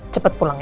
cepet pulang ya